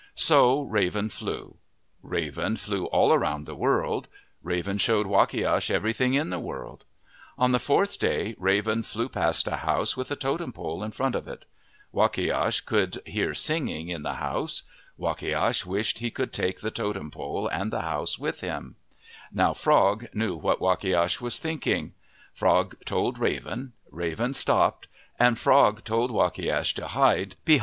So Raven flew. Raven flew all around the world. Raven showed Wakiash everything in the world. On the fourth day, Raven flew past a house with a totem pole in front of it. Wakiash could hear singing in the house. Wakiash wished he could take the totem pole and the house with him. Now Frog knew what Wakiash was thinking. Frog told Raven. Raven stopped and Frog told Wakiash to hide behind the * As told by Natalie Curtis.